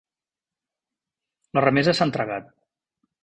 La remesa s'ha entregat.